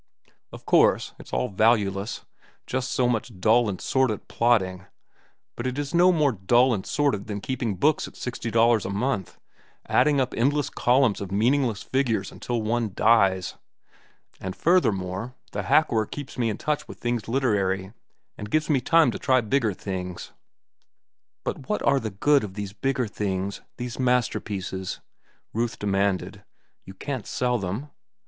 "Of course it's all valueless, just so much dull and sordid plodding; but it is no more dull and sordid than keeping books at sixty dollars a month, adding up endless columns of meaningless figures until one dies. And furthermore, the hack work keeps me in touch with things literary and gives me time to try bigger things." "But what good are these bigger things, these masterpieces?" Ruth demanded. "You can't sell them."